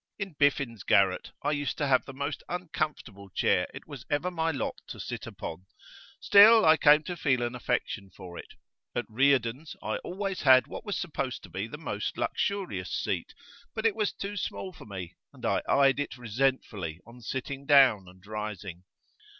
In Biffen's garret I used to have the most uncomfortable chair it was ever my lot to sit upon; still, I came to feel an affection for it. At Reardon's I always had what was supposed to be the most luxurious seat, but it was too small for me, and I eyed it resentfully on sitting down and rising.